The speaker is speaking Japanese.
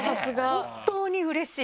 本当にうれしい！